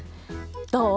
どう？